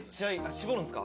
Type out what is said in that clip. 搾るんすか？